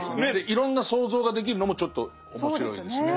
いろんな想像ができるのもちょっと面白いですね。